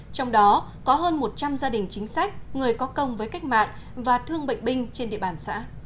trong đó có hơn một trăm linh gia đình chính sách người có công với cách mạng và thương bệnh binh trên địa bàn xã